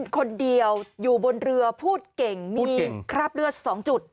คนเดียวอยู่บนเรือพูดเก่งมีคราบเลือด๒จุด